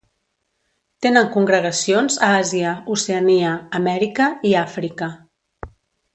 Tenen congregacions a Àsia, Oceania, Amèrica i Àfrica.